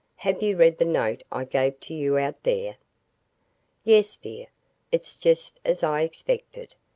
Have you read the note I gave to you out there?" "Yes, dear. It's just as I expected.